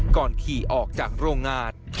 ก่อนขี่ออกจากโรงงาน